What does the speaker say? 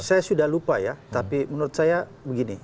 saya sudah lupa ya tapi menurut saya begini